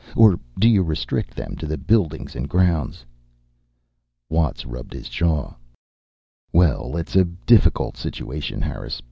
Or do you restrict them to the buildings and grounds?" Watts rubbed his jaw. "Well, it's a difficult situation, Harris.